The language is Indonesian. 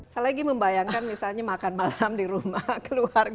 saya lagi membayangkan misalnya makan malam di rumah keluarga